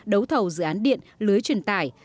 đấu thầu dự án điện lưới truyền tải